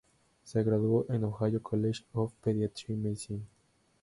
Se graduó en Ohio College of Pediatra Medicine.